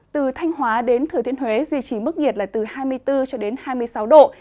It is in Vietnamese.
từ thanh hóa đến thừa thiên huế duy trì mức nhiệt là từ hai mươi bốn cho đến hai mươi sáu độ